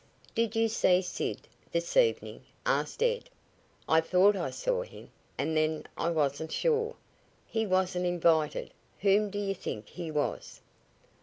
"Did you see Sid this evening?" asked Ed. "I thought I saw him, and then I wasn't sure. He wasn't invited. Whom do you think he was?"